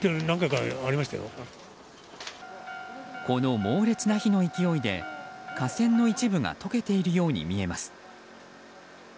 この猛烈な火の勢いで架線の一部が溶けているように見えます。